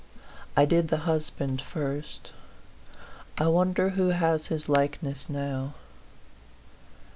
I did the husband first ; I wonder who has his likeness now?